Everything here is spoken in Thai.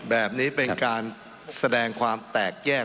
แบบนี้เป็นการแสดงความแตกแยก